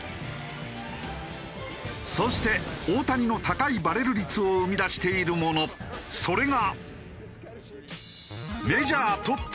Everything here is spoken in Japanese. そして大谷の高いバレル率を生み出しているものそれが。